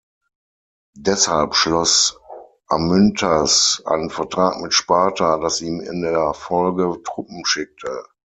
Deshalb schloss Amyntas einen Vertrag mit Sparta, das ihm in der Folge Truppen schickte.